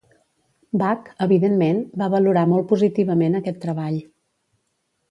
Bach, evidentment, va valorar molt positivament aquest treball.